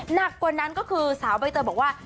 หนักกว่านั้นก็คือสาวใบเตยบอกว่า